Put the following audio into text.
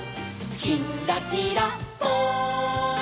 「きんらきらぽん」